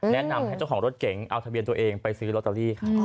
แนะนำให้เจ้าของรถเก่งเอาทะเบียนตัวเองไปซื้อรอตาลี